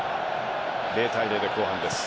０対０で後半です。